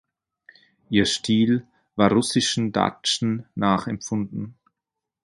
Ihr Stil war russischen Datschen nachempfunden.